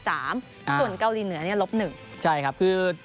ส่วนเกาหลีเหนือละสุดท้ายละสุด๑